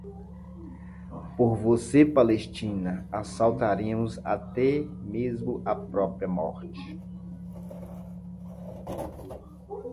Por você, Palestina, assaltaremos até mesmo a própria morte